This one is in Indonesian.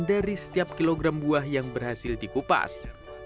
dari setiap kilogram buah yang berhasil dikupas